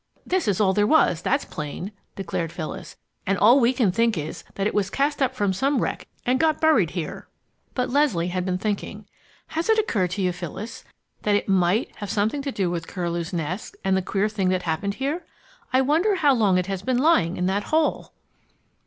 "This is all there was that's plain," declared Phyllis, "and all we can think is that it was cast up from some wreck and got buried here." But Leslie had been thinking. "Has it occurred to you, Phyllis, that it might have something to do with Curlew's Nest and the queer thing that happened here? I wonder how long it has been lying in that hole?"